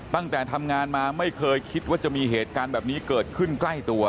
ตั้งแต่ทำงานมาไม่เคยคิดว่าจะมีเหตุการณ์แบบนี้เกิดขึ้นใกล้ตัว